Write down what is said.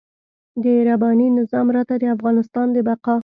د رباني نظام راته د افغانستان د بقا.